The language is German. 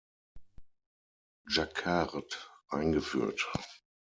Jacquard eingeführt.